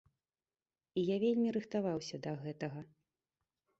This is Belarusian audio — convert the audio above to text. І я вельмі рыхтаваўся да гэтага.